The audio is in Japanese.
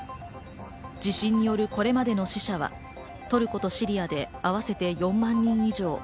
地震によるこれまでの死者はトルコとシリアで合わせて４万人以上。